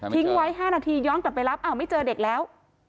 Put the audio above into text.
ไว้๕นาทีย้อนกลับไปรับอ้าวไม่เจอเด็กแล้ว